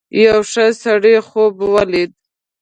یو ښه سړي خوب ولید.